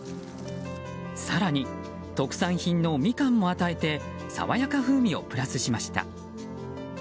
更に、特産品のミカンも与えて爽やか風味をプラスしました。